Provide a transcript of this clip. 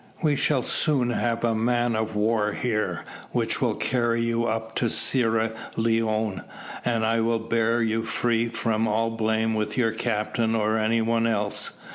We shall soon have a man of war here, which will carry you up to Sierra Leone, and I will bear you free from all blame with your captain or any one else.